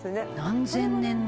「何千年の」